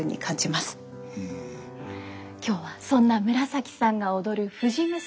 今日はそんな紫さんが踊る「藤娘」